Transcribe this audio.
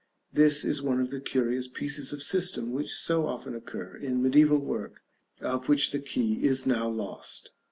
This is one of the curious pieces of system which so often occur in mediæval work, of which the key is now lost.